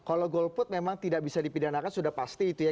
kalau golput memang tidak bisa dipidanakan sudah pasti itu ya